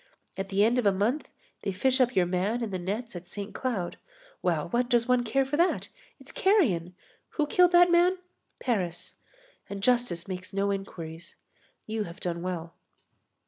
At the end of a month they fish up your man in the nets at Saint Cloud. Well, what does one care for that? It's carrion! Who killed that man? Paris. And justice makes no inquiries. You have done well."